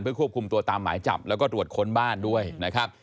ควบคุมตัวตามหมายจับแล้วก็ตรวจค้นบ้านด้วยนะครับ